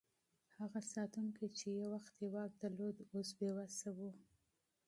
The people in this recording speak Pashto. هغه ساتونکی چې یو وخت یې واک درلود، اوس بې وسه و.